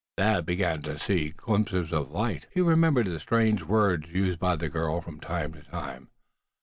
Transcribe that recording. Thad began to see glimpses of light. He remembered the strange words used by the girl from time to time.